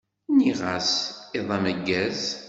Nniɣ-as iḍ ameggaz.